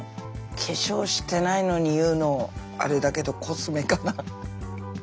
化粧してないのに言うのあれだけどコスメかな。